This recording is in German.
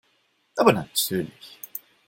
Aber natürlich.